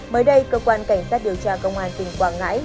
mới đây cơ quan cảnh sát điều tra công an tỉnh quảng ngãi